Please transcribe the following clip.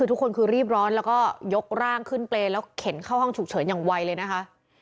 คือทุกคนคือรีบร้อนแล้วก็ยกร่างขึ้นเปรย์แล้วเข็นเข้าห้องฉุกเฉินอย่างไวเลยนะคะ